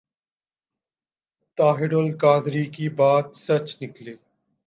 طاہر القادری کی بات سچ نکلی ۔